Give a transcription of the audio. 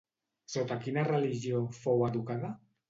Sota quina religió fou educada?